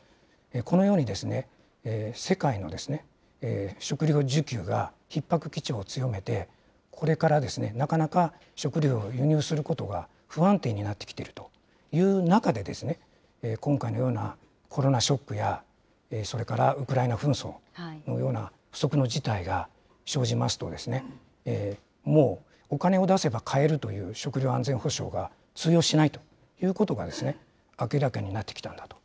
このように、世界の食糧需給がひっ迫基調を強めて、これからなかなか食料を輸入することが不安定になってきてるという中で、今回のようなコロナショックや、それからウクライナ紛争のような不測の事態が生じますと、もう、お金を出せば買えるという食料安全保障は通用しないということが、明らかになってきたんだと。